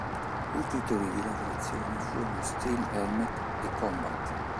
I titoli di lavorazione furono "Steel Helmet" e "Combat".